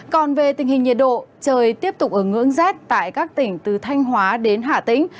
còn về tình hình nhiệt độ trời tiếp tục ở ngưỡng rét tại các tỉnh từ thanh hóa đến hạ tĩnh